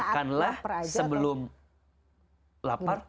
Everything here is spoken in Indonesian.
makanlah sebelum lapar